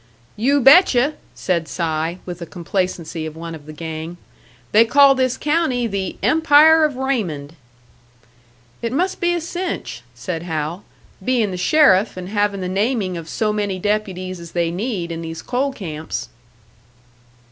"You bet you!" said Si, with the complacency of one of the gang. "They call this county the 'Empire of Raymond.'" "It must be a cinch," said Hal "being the sheriff, and having the naming of so many deputies as they need in these coal camps!"